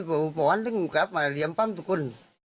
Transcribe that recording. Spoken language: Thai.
พวกบ้านต้องกลับมาเหลี่ยมปั้มทุกคน